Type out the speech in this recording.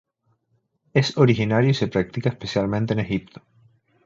Es originario y se practica especialmente en Egipto.